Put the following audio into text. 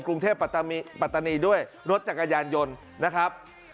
กรุงเทพปัตตานีด้วยรถจักรยานยนต์นะครับ